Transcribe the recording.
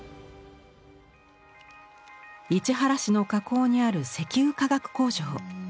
市原市の河口にある石油化学工場。